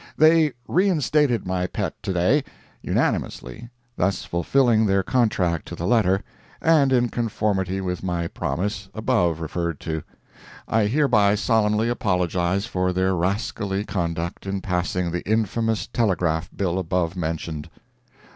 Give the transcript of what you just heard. They reinstated my pet to day, unanimously, thus fulfilling their contract to the letter, and in conformity with my promise above referred to, I hereby solemnly apologize for their rascally conduct in passing the infamous telegraph bill above mentioned.